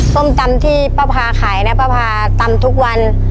ส้มตำที่ป้าพาขายนะป้าพาตำทุกวัน